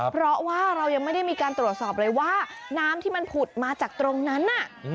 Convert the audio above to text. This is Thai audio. เพราะว่าเรายังไม่ได้มีการตรวจสอบเลยว่าน้ำที่มันผุดมาจากตรงนั้นน่ะ